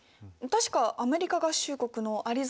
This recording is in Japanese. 確かアメリカ合衆国のアリゾナ。